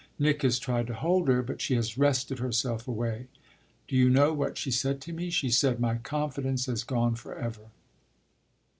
Nick has tried to hold her, but she has wrested herself away. Do you know what she said to me? She said, 'My confidence has gone for ever.'"